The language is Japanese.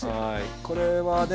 これはね